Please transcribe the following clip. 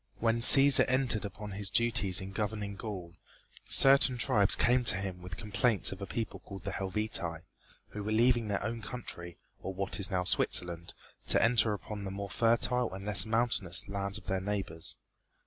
When Cæsar entered upon his duties in governing Gaul, certain tribes came to him with complaints of a people called the Helvetii, who were leaving their own country, or what is now Switzerland, to enter upon the more fertile and less mountainous lands of their neighbors.